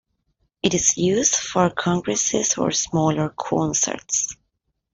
It is used for congresses or smaller concerts.